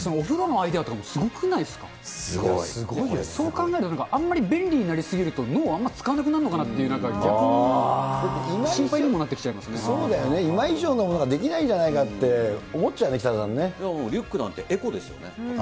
そう考えると、あんまり便利になりすぎると脳、あんまり使わなくなるのかなって、逆に心配にもなってきちゃいますそうだよね、今以上のものなんか出来ないんじゃないかって、思っちゃうね、リュックなんてエコですよね。